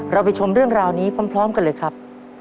ไปชมเรื่องราวนี้พร้อมกันเลยครับ